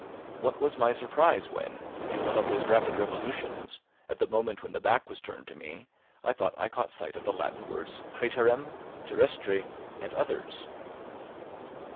What was my surprise when, in one of those rapid revolutions, at the moment when the back was turned to me I thought I caught sight of the Latin words "craterem," "terrestre," and others.